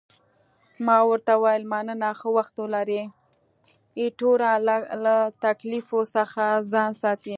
ما ورته وویل، مننه، ښه وخت ولرې، ایټوره، له تکالیفو څخه ځان ساته.